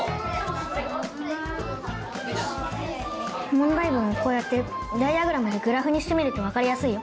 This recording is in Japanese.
問題文をこうやってダイヤグラムでグラフにしてみると分かりやすいよ。